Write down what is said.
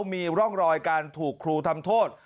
มีร่องรอยการถูกครูทำโทษ